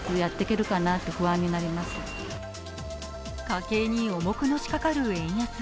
家計に重くのしかかる円安。